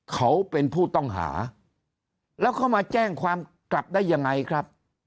เขาเป็นผู้ต้องหาแล้วเขามาแจ้งความกลับได้ยังไงครับ